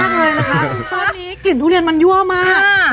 คราวนี้กลิ่นทุเรียนมันยั่วมาก